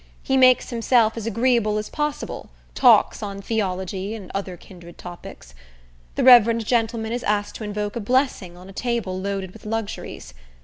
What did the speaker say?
He makes himself as agreeable as possible; talks on theology, and other kindred topics. The reverend gentleman is asked to invoke a blessing on a table loaded with luxuries.